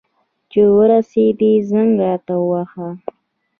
چي ورسېدې، زنګ راته ووهه.